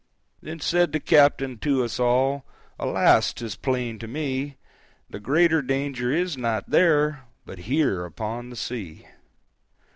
Then said the captain to us all, "Alas, 'tis plain to me, The greater danger is not there, But here upon the sea.